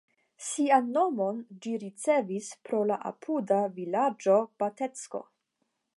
Sian nomon ĝi ricevis pro la apuda vilaĝo Batecko.